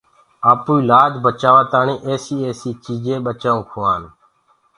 آپوئيٚ لآج بچآوآ تآڻيٚ ايسيٚ ايسيٚ چيٚجينٚ ٻچآئونٚ کُوآن۔